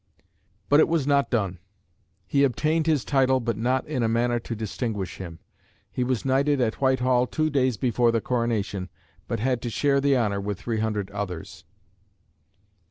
But it was not done. He "obtained his title, but not in a manner to distinguish him. He was knighted at Whitehall two days before the coronation, but had to share the honour with 300 others."